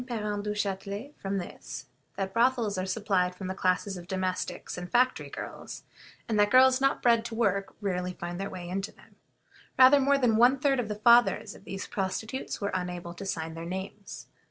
Parent Duchatelet from this is, that brothels are supplied from the classes of domestics and factory girls; and that girls not bred to work rarely find their way into them. Rather more than one third of the fathers of these prostitutes were unable to sign their names.